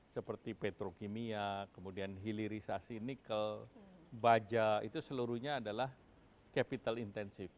seperti petrokimia kemudian hilirisasi nikel baja itu seluruhnya adalah capital intensive